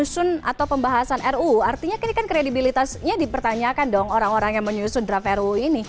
nah kalau kita lihat di dalam pembahasan atau pembahasan ruu artinya ini kan kredibilitasnya dipertanyakan dong orang orang yang menyusun draft ruu ini